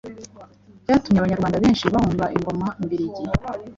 byatumye Abanyarwanda benshi bahunga ingoma mbiligi